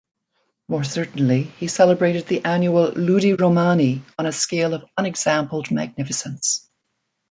More certainly, he celebrated the annual "ludi Romani" on a scale of unexampled magnificence.